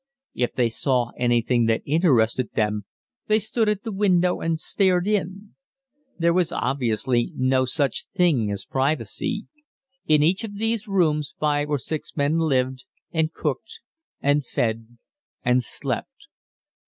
If they saw anything that interested them they stood at the window and stared in. There was obviously no such thing as privacy. In each of these rooms five or six men lived and cooked and fed and slept.